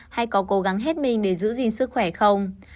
hay có cố gắng hết mình để giữ gìn sức khỏe không